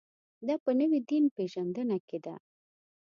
دا په نوې دین پېژندنه کې ده.